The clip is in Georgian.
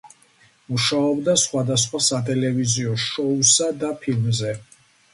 მუშაობდა სხვადასხვა სატელევიზიო შოუსა და ფილმზე.